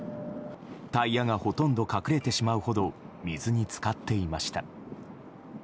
タイヤがほとんど隠れてしまうほど水に浸かっていました。